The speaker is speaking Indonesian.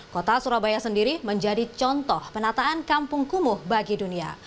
kota surabaya sendiri menjadi contoh penataan kampung kumuh bagi dunia